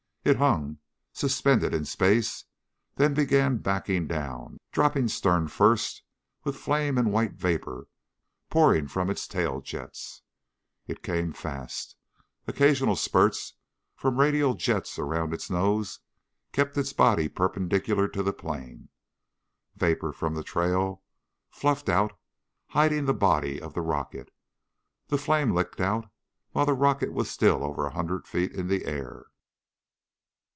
It hung ... suspended in space ... then began backing down, dropping stern first with flame and white vapor pouring from its tail jets. It came fast. Occasional spurts from radial jets around its nose kept its body perpendicular to the plain. Vapor from the trail fluffed out hiding the body of the rocket. The flame licked out while the rocket was still over a hundred feet in the air.